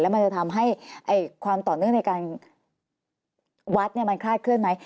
มันจะทำให้ความต่อเนื่องในการวัดมันคลาดเคลื่อนไหม